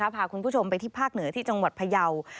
พาคุณผู้ชมไปที่ภาคเหนือที่จังหวัดพยาว